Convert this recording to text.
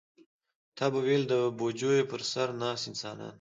تا به ویل د بوجیو پر سر ناست انسانان.